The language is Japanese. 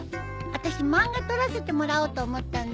あたし漫画取らせてもらおうと思ったんだ。